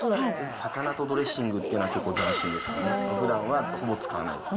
魚とドレッシングっていうのは結構斬新ですね。